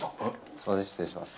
すいません、失礼します。